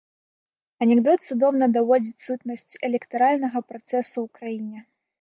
Анекдот цудоўна даводзіць сутнасць электаральнага працэсу ў краіне.